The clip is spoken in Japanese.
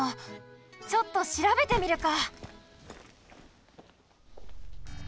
ちょっとしらべてみるか！